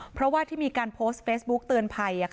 เพราะว่าที่มีการโพสต์เฟซบุ๊กเตือนภัย